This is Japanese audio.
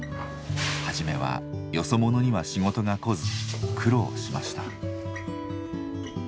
初めはよそ者には仕事が来ず苦労しました。